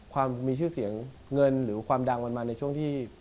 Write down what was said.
ความมีชื่อเสียงเงินหรือความดังมันมาในช่วงที่